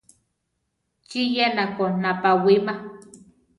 ¿Chí yénako napawíma?